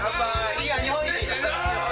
次は日本一。